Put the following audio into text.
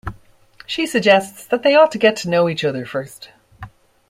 She suggests that they ought to get to know each other first.